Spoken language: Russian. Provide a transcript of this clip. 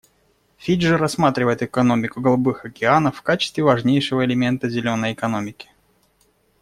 Фиджи рассматривает «экономику голубых океанов» в качестве важнейшего элемента «зеленой экономики».